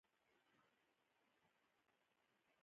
علي د سارې په خدو خال مین دی.